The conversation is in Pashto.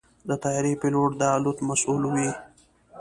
د طیارې پيلوټ د الوت مسؤل وي.